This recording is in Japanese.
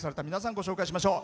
ご紹介しましょう。